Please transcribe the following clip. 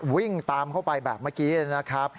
วิ่งตามเข้าไปแบบเมื่อกี้นะครับ